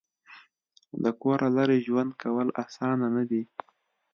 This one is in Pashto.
د کوره لرې ژوند کول اسانه نه دي.